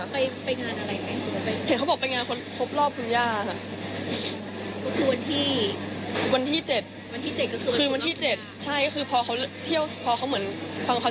เพื่อนที่ฟังจากเตยก็คือเตยบอกว่าเพื่อนจะไปงานเพราะพ่อบอกว่าตามให้ไปงานครอบครัว